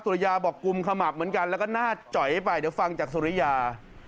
ริยาบอกกุมขมับเหมือนกันแล้วก็หน้าจอยไปเดี๋ยวฟังจากสุริยา